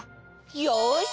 よし！